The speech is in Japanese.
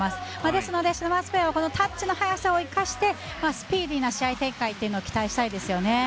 ですので、シダマツペアはこのタッチの早さを生かしてスピーディーな試合展開を期待したいですね。